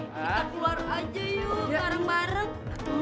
kita keluar aja yuk bareng bareng